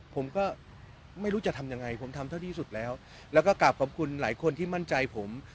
ไปมีแล้วก็กลับควรไลยคนที่มั่นใจผม